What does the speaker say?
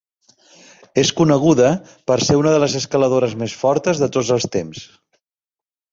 És coneguda per ser una de les escaladores més fortes de tots els temps.